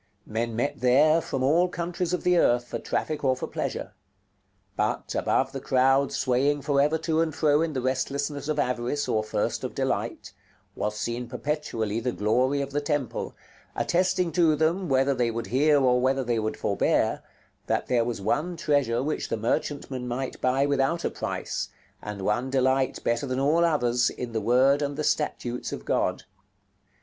Men met there from all countries of the earth, for traffic or for pleasure; but, above the crowd swaying for ever to and fro in the restlessness of avarice or thirst of delight, was seen perpetually the glory of the temple, attesting to them, whether they would hear or whether they would forbear, that there was one treasure which the merchantmen might buy without a price, and one delight better than all others, in the word and the statutes of God.